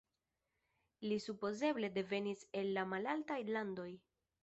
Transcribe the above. Li supozeble devenis el la Malaltaj Landoj.